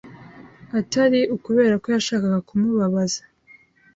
atari ukubera ko yashakaga kumubabaza